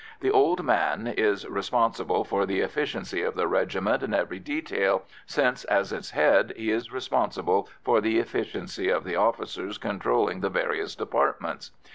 The "old man" is responsible for the efficiency of the regiment in every detail, since, as its head, he is responsible for the efficiency of the officers controlling the various departments.